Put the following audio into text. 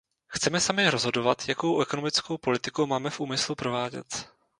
Chceme sami rozhodovat, jakou ekonomickou politiku máme v úmyslu provádět.